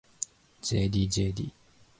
ｊｄｊｄｊｄ